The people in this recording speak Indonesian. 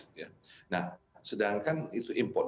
nah sedangkan itu import